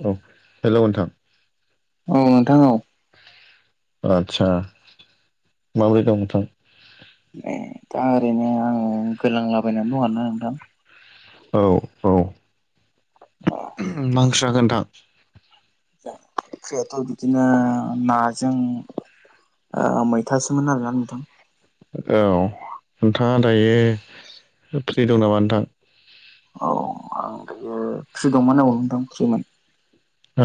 उ औ हेलौ नोंथां। औ नोंथां औ आदसा माबोरै दं नोंथां? ए दा ओरैनो आं गोलांलाबायनानै दं आरोना नोंथां। औ औ। मा ओंख्रि जाखो नोंथां? ओंख्रियाथ' बिदिनो नाजों ओ मैथासोमोन आरोना नोंथां। औ नोंथांआ दायो फ्रि दं नामा नोंथां? उ फ्रि दंमोन औ नोंथां फ्रिमोन।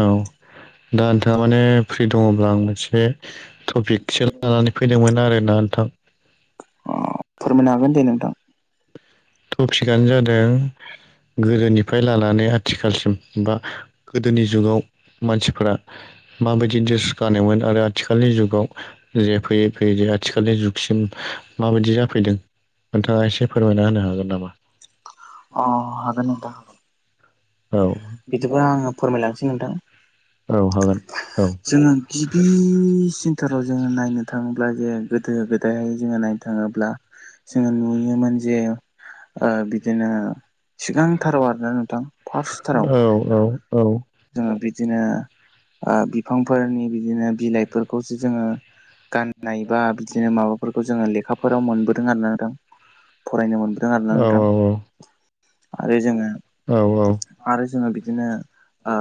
औ दा नोंथाङा माने फ्रि दङब्ला आं मोनसे टपिकसो लानानै फैदोंमोन आरोना नोंथां। अ फोरमायनो हागोन दे नोंथां। टपिकानो जादों गोदोनिफ्राय लानानै आथिखालसिम बा गोदोनि जुगाव मानसिफोरा माबायदि द्रेस गानोमोन आरो आथिखालनि जुगाव जे फैयै फैयै जे आथिखालनि जुग सिम माबायदि जाफैदों नोंथाङा एसे फोरमायना होनो हागोन नामा? अ हागोन नोंथां। औ बिदिब्ला आङो फोरमायलांसै नोंथां। औ हागोन औ जोङो गिबि सिनथाराव जोङो नायनो थाङोब्ला जे गोदो गोदायहाय जोङो नायनो थाङोब्ला जोङो नुयोमोन जे ओ बिदिनो सिगांथाराव आरोना नोंथां फार्स्टथाराव। औ जोङो बिदिनो ओ बिफांफोरनि बिदिनो बिलाइफोरखौसो जोङो गाननाय बा बिदिनो माबाफोरखौ जोङो लेखाफोराव मोनबोदों आरोना नोंथां। फरायनो मोनबोदों आरोना नों‌थां। आरो जोङो आरो जोंओ बिदिनो ओ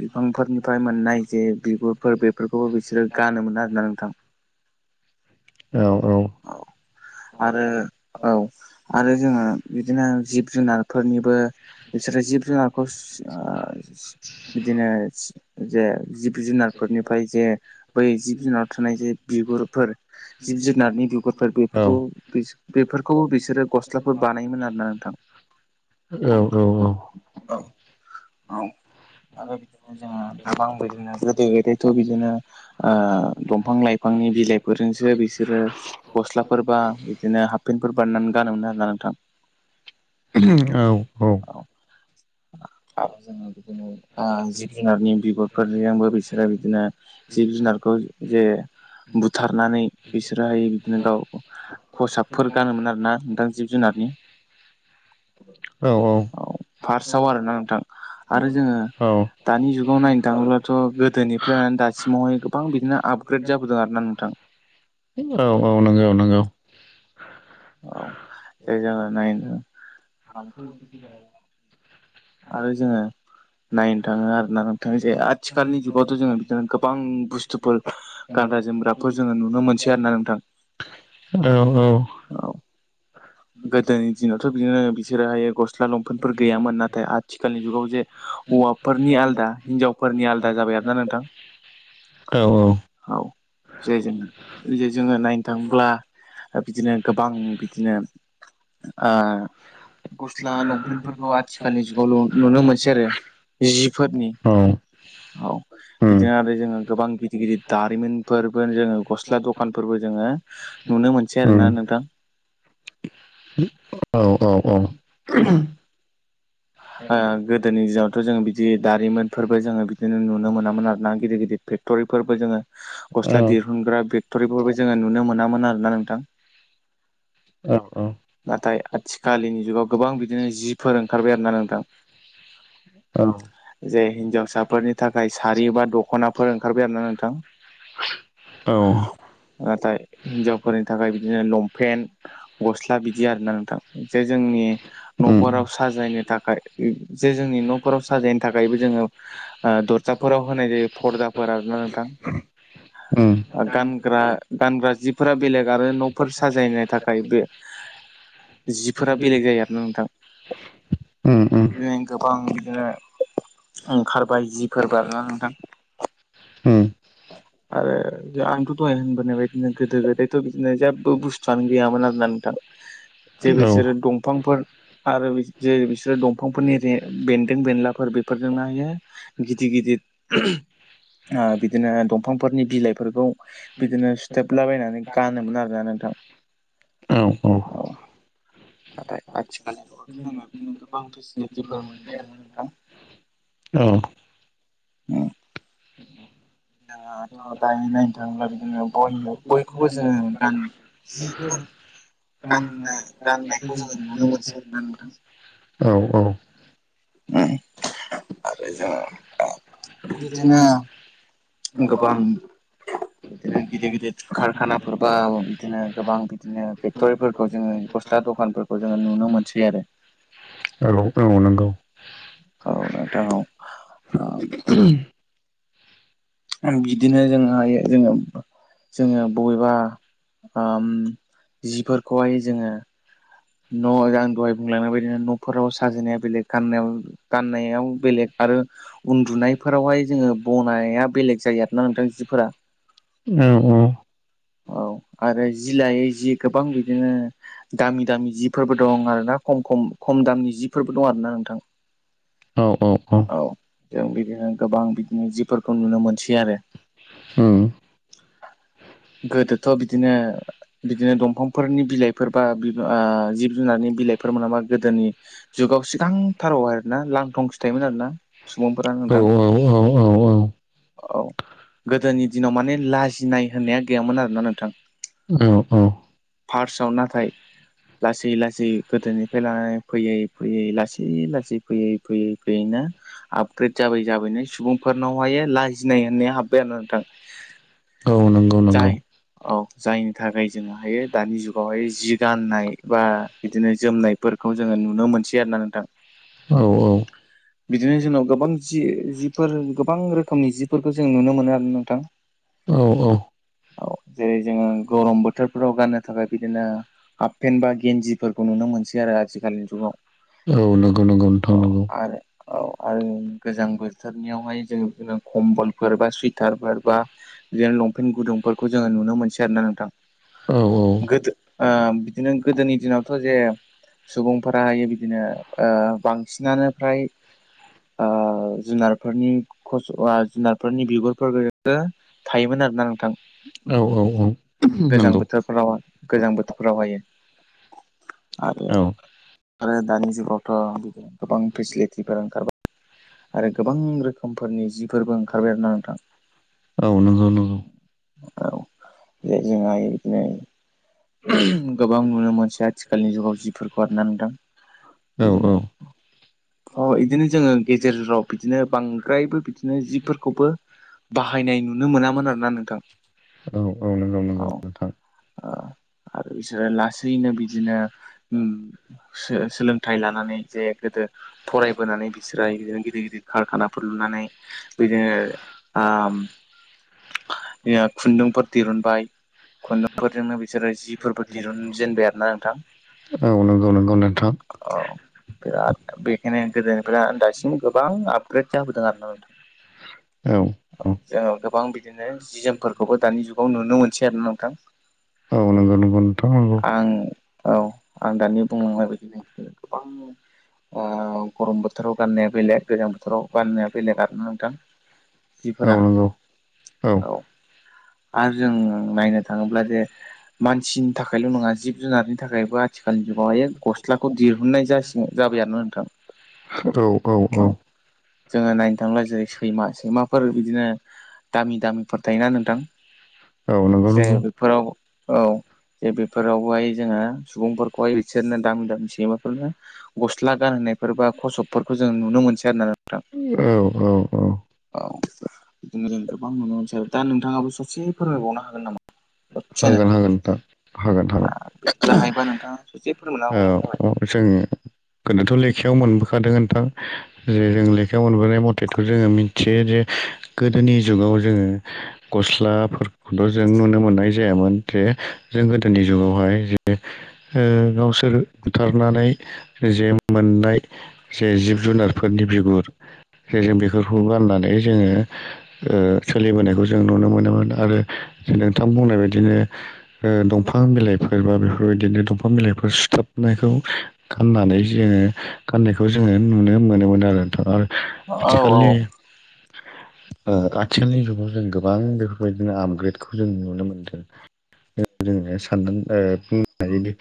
बिफांफोरनिफ्राय मोननाय जे बिगुर फोर बेफोरखौबो बिसोरो गानोमोना आरोना नोंथां। औ। आरो औ आरो जोङो बिदिनो जिब जुनारफोरनिबो बिसोरो जिब जुनार बिदिनो जे जिब जुनारफोरनिफ्राय जे बै जिब जुनाराव थानाय जे बिगुरफोर जिब जुनारनि [inaudible] बिगुरफोर बेफोरखौ बेफोरखौ बिसोरो गस्लाफोर बानायोमोन आरोना नोंथां। औ औ औ। औ। आरो जोङो गोबां बिदिनो गोदो गोदायथ' बिदिनो ओ दंफां लाइफांनि बिलाइफोर जोंस‌ो बिसोरो गस्लाफोरबा बिदिनो हाफफेेनटफोर बानायनानै गान मोनो आरोना नोंथां‌ औ औ। [inaudible] ओ जिब जुनारनि बिगुदफोरजोंबो बिसोरो बिदिनो जिब जुनारखौ जे बुथारनानै बिसोरोहाय बिदिनो गाव खसाबफोर गानोमोन आरोना नोंथां जिब जुनारनि। औ औ। फार्स्सआव आरोना नोंथां। आरो जोङो औ औ दानि जुग खौ नायनो थाङोब्लाथ' गोदोनिफ्राय दासिमावहाय गोबां बिदिनो आपग्रेद जाबोदों आरोना नोंथां । औ औ नोंगौ नोंगौ । औ जे जोङो नायनो [inaudible] आरो जोङो नायनो थाङो आरोना नोंथां जे आथिखालनि जुगावथ' जोङो बिदिनो गोबां बुस्थुफोर गा गानग्रा जोमग्राफोर जोङो नुनो मोनसै आरोना नोंथां । औ औ। गोदोनि दिनावथ' बिदिनो बिसोराहायो गस्ला लंफेफोर गैयामोन नाथाय आथिखालनि जुगावजे हौवाफोरनि आलदा हिनजावफोरनि आलदा जाबाय आरोना नोंथां। [inaudible] औ जे जोङो जे जोङो नायनो थाङोब्ला बिदिनो गोबां बिदिनो ओ गस्ला लंपेन्टफोरखौ आथिखालनि जुगावल' नुनो मोनसै आरो। जिफोरनि औ औ बिदिनो आरो जोङो गोबां गिदिर गिदिर दारिमिनफोरबो जोङो गस्ला दखानफोरबो जोङो नुनो मोनसै उम आरोना नोंथां। [inaudible] औ औ [inaudible] ओ गोदोनि दिनावथ' जों बिदि दारिमिनफोरबो जोङो बिदिनो नुनो मोनामोन आरोना गिदिर गिदिर फेक्ट'रिफोरबो जोङो गस्ला दिहुनग्रा फेक्ट'रिफोरबो जोङो नुनो मोनामोन आरोना नोंथां। [inaudible] नाथाय आथिखालनि जुगाव गोबां बिदिनो जिफोर ओंखारबाय आरोना नोंथां । औ। जे हिनजावसाफोरनि थाखाय सारि बा दख'नाफोर ओंखारबाय आरोना नोंथां । औ। नाथाय हिनजावफोरनि थाखाय बिदिनो लंपेन्ट गस ला बिदि आरोना नोंथां जे जोंनि उम न'फोराव साजायनो थाखाय जे जोंनि न'फोर आव साजायनो थाखायबो जोङो ओ दरजाफोराव होनाय जायो फरदाफोर आरोना नोंथां। [inaudible] गानग्रा गानग्रा जिफोरा बेलेग आरो न'फोर साजायनो थाखाय बे जिफोरा बेलेग जायो आरोना नोंथां उम । बिदिनो गोबां उम बिदिनो ओंखारबाय जिफोर बार नोंथां। [inaudible] आरो आंथ' दहाय होनबोनाय बायदिनो गोदो गोदायथ' बिदिनो जेबो बुस्थुआनो गैयामोन आरोना नोंथां । [inaudible] जे बिसोरो दं नोंगौ। आरो बे जे बिसोरो दंफांफोरनि रे बेन्दों बेनलाफोर बेफोरजोंनो हायो गिदिर गिदिर [inaudible] [inaudible] बिदिनो दंफांफोरनि बिलाइफोरखौ बिदिनो सुथोबलाबायनानै गानोमोन आरोना नोंथां । औ औ। नाथाय आथिखाल जुगावथ' जोङो बिदिनो गोबां फेसिलिटिफोर मोनबाय आरो नोंथां। औ। उम। [inaudible] जोङोथ' दायो नायनो थाङोब्ला बिदिनो गय गयखौबो जोङो गान गानना गाननायखौ जोङो नुनो मोनसै आरोना [inaudible] औ औ। उम आरो जोङो बिदिनो गोबां बिदिनो गिदिर गिदिर कारखानाफोर बा बिदिनो गोबां बिदिनो फेक्ट'रिफोरखौ जोङो गस्ला दखानफोरखौ जोङो नुनो मोनसै आरो। औ औ नंगौ। औ नोंथां औ बिदिनो जोङो हायो जोङो-जोङो बबेबा ओम जिफोरखौहाय जोङो न' आं दहाय बुंलांनायबायदिनो न'फोराव सो साजायनाया बेलेग गाननायाव गाननायाव बेलेग आरो उन्दुनायफोरावहाय जोङो बनाय नाया बेलेग जायो आरोना नोंथां जिफोरा ओम उ औ आरो जि लायै जि गोबां बिदिनो दामि-दामि जिफोरबो दं आर ना खम-खम-खम दामनि जिफोरबो दं आरोना नोंथां। औ औ जों बिदिनो गोबां बिदिनो जिफोरखौ नुनो मोनसै आरो। ओम गोदोथ' बिदिनो-बिदिनो दंफांफोरनि बिलाइफोर बा बिबा जिब जुनारनि बिलाइफोर मोनाबा गोदोनि जुगाव सिगांथारावहाय आरोना लांथंसो थायोमोन आरोना सुबुंफोरा नोंथां। औ औ औ औ औ गोदोनि दिनाव माने लाजिनाय होननाया गैयामोन आरोना नोंथां औ औ फार्सआव नाथाय लासै-लासै गोदोनिफ्राय लानानै फैयै-फैयै लासै-लासै फैयै-फैयै-फैयै ना आपग्रेद जाबै जाबैनो सुबुंफोरनावहाय लाजिनाय होननाया हाबबाय आरो नोंथां। औ नंगौ नंगौ जाय । औ जायनि थाखाय जोङो हायो दानि जुगावहाय जि गाननाय बा बिदिनो जोमनाय फोरखौ जोङो नुनो मोनसै आरो ना नोंथां। औ औ । बिदिनो जोंनाव गोबां जि जिफोर गोबां रोखोमनि जिफोरखौ जों नुनो मोनो आरो नोंथां । औ औ । जेरै जोङो गरम बोथोरफोराव गाननो थाखाय बिदिनो हाफफेन बा गेन्जिफोरखौ नुनो मोनसै आरो आजथखालनि जुगाव नंगौ नंगौ नोंथां अ नंगौ आरो औ आरो गोजां बोथोरनियावहाय जों कम्बलफोर बा सुइ थार फोरबा जेन लंपेन्ट गुदुंफोरखौ जोङो नुनो मोनसै आरोना नोंथां औ गोदो ओ बिदिनो गोदोनि दिनावथ' जे सुबुंफोराहायो बिदिनो ओ बांसिनानो फ्राय ओ जुनारफोरनि' खस आ जुनारफोरनि बिगुरफोर गो थायोमोन आरो औ औ । गोजां बोथोरफोराव गोजां बोथोरफोरावहायो आरो औ आरो दानि जुगावथ' गोबां फिसलथिफोर ओंखारबाय। आरो गोबां रोखोमफोरनि जिफोरबो ओंखारबाय आरोना नोंथां। औ नंगौ नंगौ औ जे जोंहा इदिनो गोबां नुनो मोनसे आथिखालनि जुगाव जिफोरखौ हरना नोंथां। औ बिदिनो औ अ इदिनो जोङो गेजेराव बिदिनो बांद्रायबो बिदिनो जिफोरखौबो बाहायनाय नुनो मोनामोन आरोना नोंथां। औ औ नंगौ नंगौ औ नोंथां। आरो बिसोरो लासैनो बिदिनो ओम सो सोलोंथाइ लानानै जे गोदो फरायबोनानै बि स्राय बिदिनो गिदिर-गिदिर कारखानाफोर लुनानै बिदिनो आम खुन्दुंफोर दिरुनबाय। खुन्दुंफोरजोंनो बिसोरो जिफोरबो दिरुनजेनबाय आरो ना नोंथां। औ नंगौ नंगौ नोंथां औ बिराद बे बेखनो ओमफ्राय दासिम गोबां आपग्रेड जाबोदों आरोना नोंथां औ जोङो गोबां बिदिनो जि जोमफोरखौबो दानि जुगाव नुनो मोनसै आरोना नोंथां । औ नों । आं औ आं दानि बुंलांनाय बायदिनोदि गोबां ओ गरम बो बोथोराव गान्नाया बेलेग गोजां बोथोराव गाननाया बेलेग आरो नोंथां औ जिफोरा नंगौ औ आरो जों नायनो थाङोब्ला जे मानसिनि थाखायल' नङा जिब जुनारनि थाखायबो आथिखालनि जुगाव गस्लाखौ दिरहुननाय जासिगोन जाबाययानो नोंथां । औ औ औ । जोङो नायनो थांब्ला जेरै सैमा सैमाफोर बिदिनो दामि दामिफोर थायोना नोंथां औ नंगौ जे नंगौ बेफोराव औ जे बेफोरावहाय जोङो सुबुंफोरखौहाय बिसोरनो दामि दामि सैमाफोरनो गस्ला गानहो । नाय बा खसबफोरखौ जों नुनो मोनसै आरो ना नोंथां औ औ औ । औ बिदिनो जों गोबां नुनो मोनसै आरो दा नोंथाङाबो सासे फोरमायबावनो हागोन नामा दसेनो हागोन हागोन हागोन नोंथां हागोन हागोन बिदिब्ला हायोबा नोंथाङा ससे फोरमायना होबावबानो जाबाय औ । औ जों । गोदोथ' लेखायाव मोनबोखादों नोंथां जे जों लेखायाव मोनबोनाय मथेथ' जोङो मिथियो जे गोदोनि जुगाव जोङो गस्लाफोरखौथ' जों नुनो मोननाय जायामोन जे जों गोदोनि जुगावहाय जे गावसोर बुथारनानै जे मोननाय जे जिब जुनारफोरनि बिगुर जों बेफोरखौ गाननानै जोङो सोलिबोनायखौ जों नुनो मोनोमोन आरो । नोंथां बुंनाय बायदिनो ओ दंफां बिलाइफोर बा बेफोरबायदिनो दंफां बिलाइफोर सुथाब नायखौ गाननानै जोङो गाननायखौ जोङो नुनो मोनोमोन आरो नोंथां आरो । औ औ । [unintelligible] ओ आथिखालनि जुगाव जों गोबां बेफोरबायदिनो आपग्रेडखौ जों नुनो मोनदों जोङो सानदों ओ बुंनो हायो दि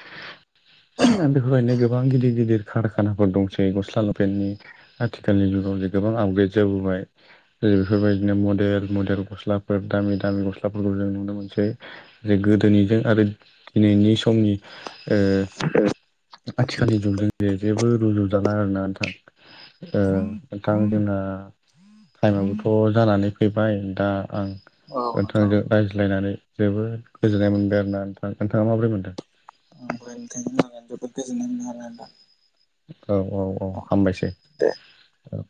आरो बेफोरबायदिनो गोबां गिदिर गिदिर कारखानाफोर दंसै गस्ला लपेननि आथिखालनि जुगाव गोबां आपग्रेड जाबोबाय जै बेफोरबायदिनो मडेल मडेल गस्लाफोर दामि दामि गस्लाफोरखौ । जों नुनो मोनसै जे गोदोनिजों आरो दिनैनि समनि ओ [inaudible] आथिखालनि जुगजों जेबो रुजुजानाय आरोना नोंथां ओ नोंथां जोंना । टाइमाबबोथ' जानानै फैबाय दा आं औ नोंथां नोंथांजों रायज्लायनानै जोबोद गोजोननाय मोनबाय आरो ना नोंथ नोंथाङा माबोरै मोनदों । ओमफ्राय नोंथांजों रायलायनानै जोबोद गोजोननाय मोनोालायदा औ औ औ हामबायसै दे औ